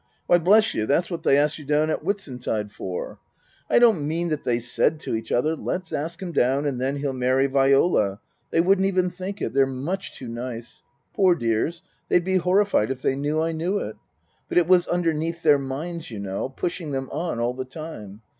" Why, bless you, that's what they asked you down at Whitsuntide for ! I don't mean that they said to each other : Let's ask him down and then he'll marry Viola. They wouldn't even think it they're much too nice. Poor dears they'd be horrified if they knew I knew it ! But it was underneath their minds, you know, pushing them on all the time.